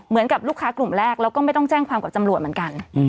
เหมือนกับลูกค้ากลุ่มแรกแล้วก็ไม่ต้องแจ้งความกับตำรวจเหมือนกัน